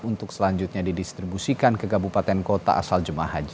untuk selanjutnya didistribusikan ke kabupaten kota asal jemaah haji